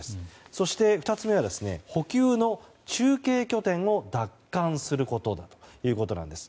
そして２つ目は補給の中継拠点を奪還することだということです。